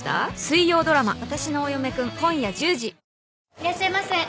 いらっしゃいませ。